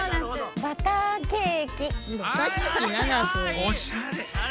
おしゃれ。